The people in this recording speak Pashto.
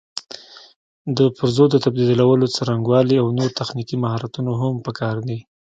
د پرزو د تبدیلولو څرنګوالي او نور تخنیکي مهارتونه هم پکار دي.